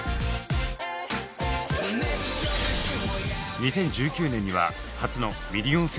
２０１９年には初のミリオンセールスを達成。